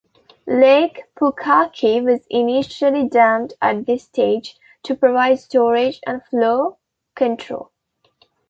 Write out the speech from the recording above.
Lake Pukaki was initially dammed at this stage to provide storage and flow control.